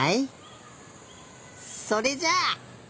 それじゃあ！